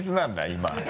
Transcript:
今。